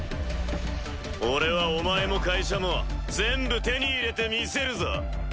俺はお前も会社も全部手に入れてみせるぞ。